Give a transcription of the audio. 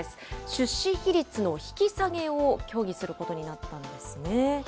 出資比率の引き下げを協議することになったんですね。